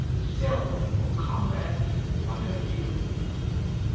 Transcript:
Still, O comrade, what of you?